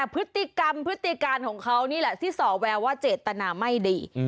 พฤติกรรมพฤติการของเขานี่แหละที่สอแววว่าเจตนาไม่ดี